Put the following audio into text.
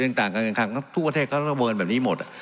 แลนด์ต่างกันทั้งทุกประเทศก็ระเยินแบบนี้หมด